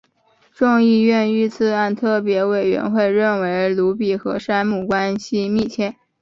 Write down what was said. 众议院遇刺案特别委员会认为鲁比跟山姆关系密切。